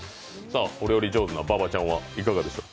お料理上手な馬場ちゃんはいかがですか。